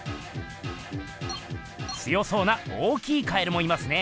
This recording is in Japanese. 強そうな大きい蛙もいますね。